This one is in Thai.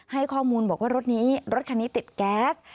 ให้ข้อมูลบอกว่ารถนี้รถคันนี้ติดแก๊ส